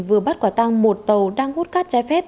vừa bắt quả tăng một tàu đang hút cát trái phép